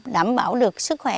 đảm bảo được sức khỏe